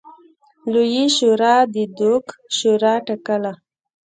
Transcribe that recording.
لویې شورا د دوک شورا ټاکله.